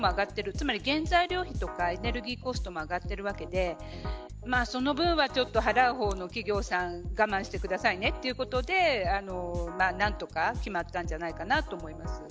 つまり原材料費とかエネルギーコストも上がっているわけでその分は払う方の企業さんが我慢してくださいねってことで何とか決まったんじゃないかなと思います。